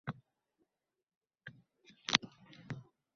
Yondashuv mantig‘i: har bir loyiha natijalarini monitoring qilish mumkin.